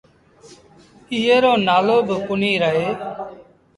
ايئي رو نآلو با ڪونهي رهي۔